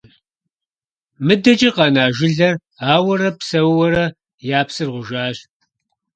МыдэкӀэ къэна жылэр ауэрэ псэууэрэ, я псыр гъужащ.